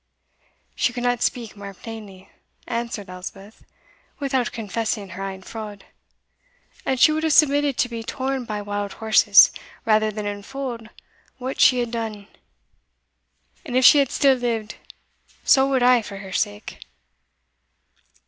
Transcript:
"She could not speak mair plainly," answered Elspeth, "without confessing her ain fraud, and she would have submitted to be torn by wild horses, rather than unfold what she had done; and if she had still lived, so would I for her sake.